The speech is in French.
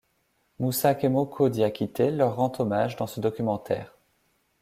Moussa Kemoko Diakité leur rend hommage dans ce documentaire.